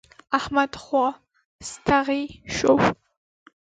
احمد خوا ستغی شو.